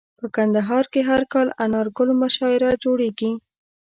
په کندهار کي هر کال انارګل مشاعره جوړیږي.